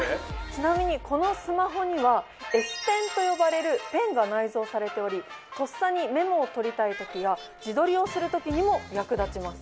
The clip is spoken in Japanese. ちなみにこのスマホにはＳペンと呼ばれるペンが内蔵されておりとっさにメモを取りたい時や自撮りをする時にも役立ちます。